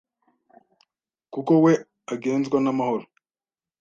kuko we agenzwa n’amahoro